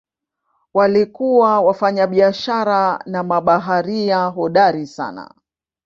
Walikuwa wafanyabiashara na mabaharia hodari sana.